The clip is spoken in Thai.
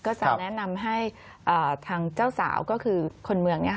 ก็จะแนะนำให้ทางเจ้าสาวก็คือคนเมืองเนี่ย